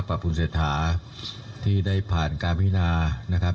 กับประวัติศูนย์เสียภาพที่ได้ผ่านการพนาทธิ์นะครับ